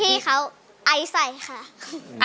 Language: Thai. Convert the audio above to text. พี่เขาไอใส่ค่ะ